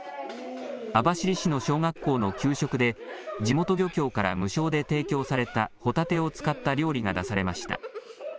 網走市の小学校の給食で、地元漁協から無償で提供されたホタテを使った料理が出されました。